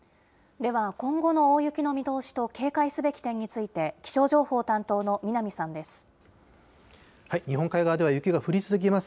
では、今後の大雪の見通しと警戒すべき点について、気象情報担当の南さんです。